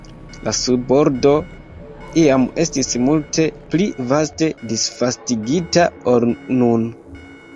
La subordo iam estis multe pli vaste disvastigita ol nun.